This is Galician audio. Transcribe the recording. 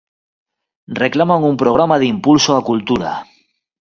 Reclaman un programa de impulso á cultura.